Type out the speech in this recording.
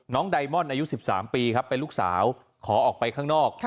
ไดมอนด์อายุ๑๓ปีครับเป็นลูกสาวขอออกไปข้างนอก